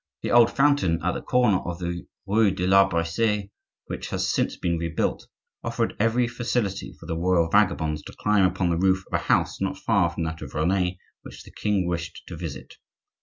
The old fountain at the corner of the rue de l'Arbre See, which has since been rebuilt, offered every facility for the royal vagabonds to climb upon the roof of a house not far from that of Rene, which the king wished to visit.